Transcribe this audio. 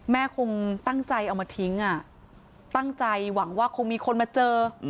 คงตั้งใจเอามาทิ้งตั้งใจหวังว่าคงมีคนมาเจอ